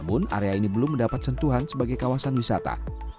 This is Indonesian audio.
namun area ini belum mendapat sentuhan sebagai kawasan wisata